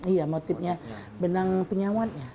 iya motifnya benang penyawatnya